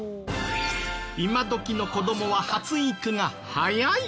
今どきの子どもは発育が早い！